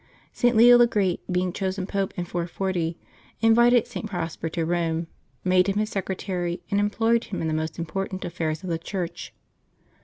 St. Leo the Great, being chosen Pope in 440, invited St. Prosper to Pome, made him his secretary, and employed him in the most important affairs of the Church.